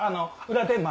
裏天満！